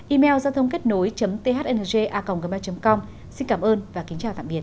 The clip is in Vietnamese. email giao thôngkếtnối thnj a gmail com xin cảm ơn và kính chào tạm biệt